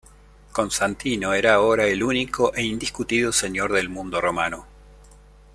Constantino era ahora el único e indiscutido señor del mundo romano.